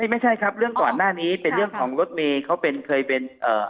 ไม่ใช่ครับเรื่องก่อนหน้านี้เป็นเรื่องของรถเมย์เขาเป็นเคยเป็นเอ่อ